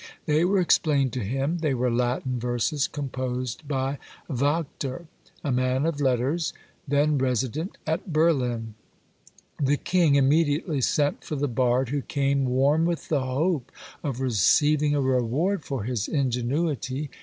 They were explained to him; they were Latin verses composed by Wachter, a man of letters, then resident at Berlin. The king immediately sent for the bard, who came warm with the hope of receiving a reward for his ingenuity.